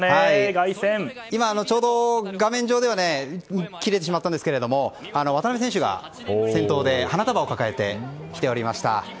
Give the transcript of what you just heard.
ちょうど画面上では切れてしまったんですが渡邊選手が先頭で花束を抱えてきておりました。